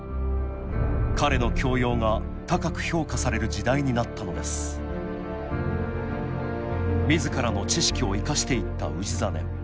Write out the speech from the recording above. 彼の教養が高く評価される時代になったのです自らの知識を生かしていった氏真。